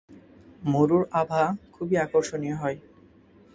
মরুর আভা খুবই আকর্ষণীয় হয়।